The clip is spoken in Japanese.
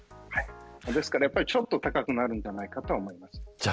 ちょっと高くなるんじゃないかなと思います。